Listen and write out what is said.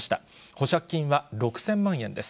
保釈金は６０００万円です。